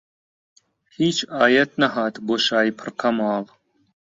هیچ ئایەت نەهات بۆ شای پڕ کەماڵ